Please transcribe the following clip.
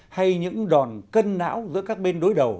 hay những đòn cân não giữa các bên đối đầu